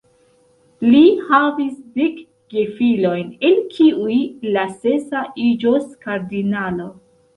Li havis dek gefilojn, el kiuj la sesa iĝos kardinalo.